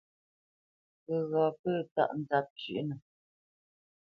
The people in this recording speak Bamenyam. Ghəgha pə̂ tâʼ nzǎp shʉʼnə.